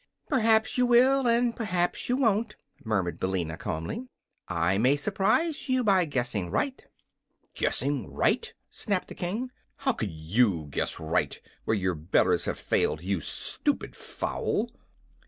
"Perhaps you will, and perhaps you won't," murmured Billina, calmly. "I may surprise you by guessing right." "Guessing right?" snapped the King. "How could you guess right, where your betters have failed, you stupid fowl?"